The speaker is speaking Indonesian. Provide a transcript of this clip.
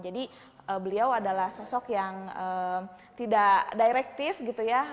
jadi beliau adalah sosok yang tidak direktif gitu ya